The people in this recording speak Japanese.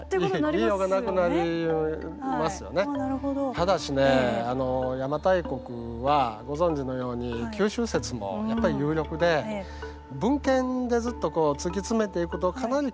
ただしね邪馬台国はご存じのように九州説もやっぱり有力で文献でずっと突き詰めていくとかなり九州の可能性もあるんですよ。